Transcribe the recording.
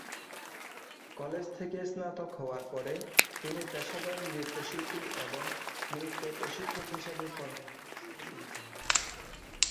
College থেকে স্নাতক হওয়ার পরে তিনি পেশাদার নৃত্যশিল্পী এবং নৃত্য প্রশিক্ষক হিসাবে কর্মজীবন শুরু করেছিলেন।